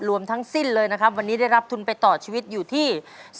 รวมทั้งสิ้นเลยนะครับวันนี้ได้รับทุนไปต่อชีวิตอยู่ที่